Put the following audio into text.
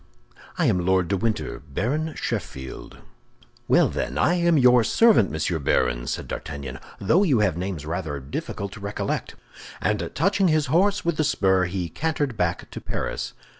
"I am Lord de Winter, Baron Sheffield." "Well, then, I am your servant, Monsieur Baron," said D'Artagnan, "though you have names rather difficult to recollect." And touching his horse with the spur, he cantered back to Paris.